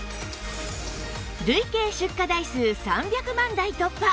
累計出荷台数３００万台突破！